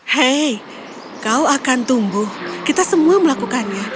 hei kau akan tumbuh kita semua melakukannya